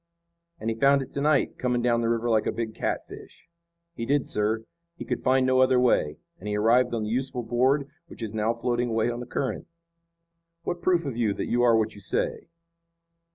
"And he found it to night, coming down the river like a big catfish." "He did, sir. He could find no other way, and he arrived on the useful board which is now floating away on the current." "What proof have you that you are what you say."